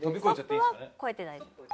ストップは越えてない。